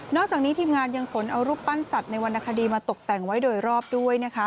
อกจากนี้ทีมงานยังขนเอารูปปั้นสัตว์ในวรรณคดีมาตกแต่งไว้โดยรอบด้วยนะคะ